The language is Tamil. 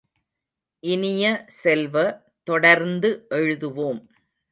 இனியசெல்வ தொடர்ந்து எழுதுவோம்!